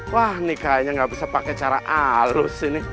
wah nih kayaknya gak bisa pakai cara alus ini